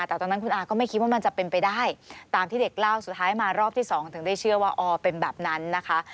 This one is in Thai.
แต่ตอนนั้นคุณอาก็ไม่คิดว่ามันจะเป็นไปได้ตามที่เด็กเล่าสุดท้ายมารอบที่สองถึงได้เชื่อว่าออเป็นแบบนั้นนะคะ